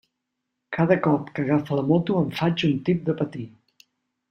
Cada cop que agafa la moto em faig un tip de patir.